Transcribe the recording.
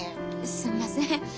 すんません。